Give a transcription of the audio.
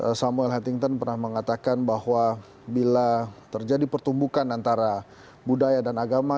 jadi samuel huntington pernah mengatakan bahwa bila terjadi pertumbukan antara budaya dan agama